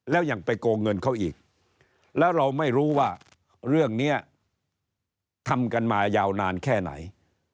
แล้วยังไปโกงเงินเขาอีกแล้วเราไม่รู้ว่าเรื่องนี้ทำกันมายาวนานแค่ไหน